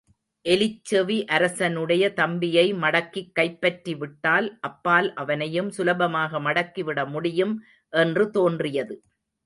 எலிச்செவி அரசனுடைய தம்பியை மடக்கிக் கைப்பற்றி விட்டால் அப்பால் அவனையும் சுலபமாக மடக்கிவிட முடியும் என்று தோன்றியது.